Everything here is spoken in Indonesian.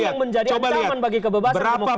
ini yang menjadi ancaman bagi kebebasan dan demokrasi